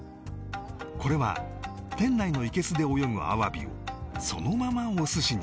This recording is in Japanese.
これは店内のいけすで泳ぐあわびをそのままお寿司に